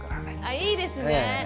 あいいですね。